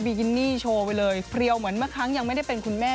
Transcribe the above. กินนี่โชว์ไปเลยเพลียวเหมือนเมื่อครั้งยังไม่ได้เป็นคุณแม่